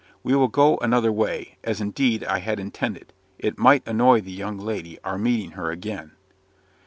We will go another way, as indeed I had intended: it might annoy the young lady, our meeting her again."